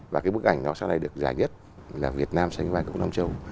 và cái bức ảnh nó sau này được giải nhất là việt nam xanh vai của nam châu